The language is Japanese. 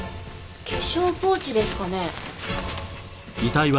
化粧ポーチですかね？